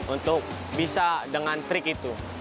untuk bisa dengan trik itu